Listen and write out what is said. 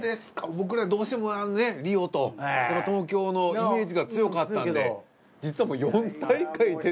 僕らどうしてもリオと東京のイメージが強かったんで実はもう４大会出てる。